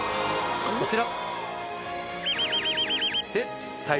こちら！